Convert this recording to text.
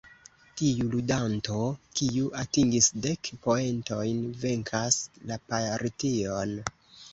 Tiu ludanto, kiu atingis dek poentojn, venkas la partion.